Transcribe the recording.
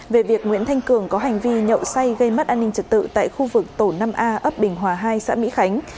về việc nguyễn thanh cường có hành vi nhậu say gây mất an ninh trật tự tại khu vực tổ năm a ấp bình hòa hai xã mỹ khánh